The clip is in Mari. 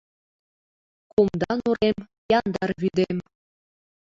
Кумда нурем, яндар вӱдем